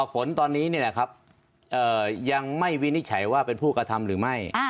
อ๋อฝนตอนนี้เนี่ยครับยังไม่วินิจฉัยว่าเป็นผู้กระทำหรือไม่